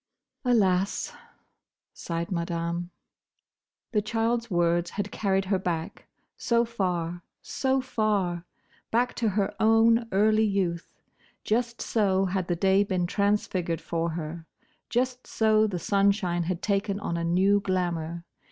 "Alas!" sighed Madame. The child's words had carried her back, so far, so far! Back to her own early youth. Just so had the day been transfigured for her. Just so the sunshine had taken on a new glamour.